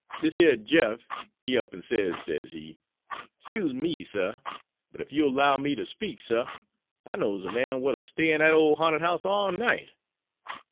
Dis yer Jeff, he up 'n sez, sezee, 'Scuse me, suh, but ef you'll 'low me ter speak, suh, I knows a man wat'll stay in dat ole ha'nted house all night.'"